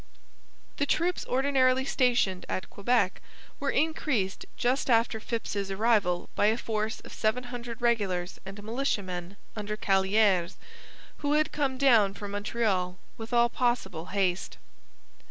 The troops ordinarily stationed at Quebec were increased just after Phips's arrival by a force of seven hundred regulars and militiamen under Callieres, who had come down from Montreal with all possible haste.